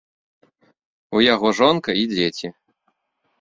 У яго жонка і дзеці.